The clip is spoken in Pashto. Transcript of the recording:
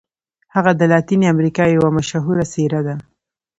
هغه د لاتیني امریکا یوه مشهوره څیره ده.